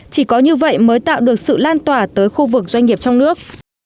chỉ có như vậy mới tạo được sự lan tỏa tới khu vực doanh nghiệp trong nước